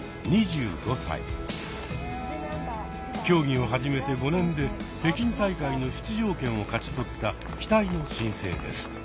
競技を始めて５年で北京大会の出場権を勝ち取った期待の新星です。